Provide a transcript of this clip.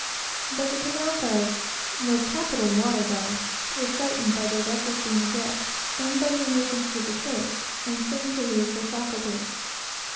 But the Kanakas, though capital water dogs, were frightened by their vessel's being adrift, and by the emergency of the case, and seemed to lose their faculties.